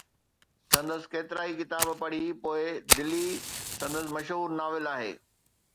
سندس ڪيترائي ڪتاب پڙهي پوءِ ”دلي“ سندس مشهور ناول آهي.